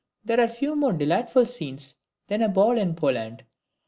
There are few more delightful scenes than a ball in Poland.